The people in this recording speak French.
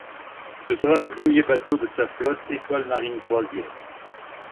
Ce sera le premier bateau de sa flotte Étoile Marine Croisières.